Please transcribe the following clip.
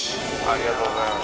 ありがとうございます。